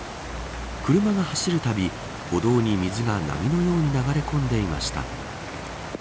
車が走るたび歩道に水が波のように流れ込んでいました。